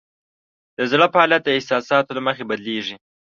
د زړه فعالیت د احساساتو له مخې بدلېږي.